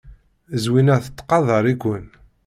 Zwina tettqadar-iken.